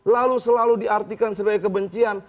lalu selalu diartikan sebagai kebencian